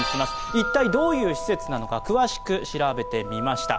一体どういう施設なのか、詳しく調べてみました。